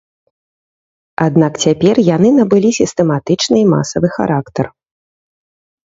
Аднак цяпер яны набылі сістэматычны і масавы характар.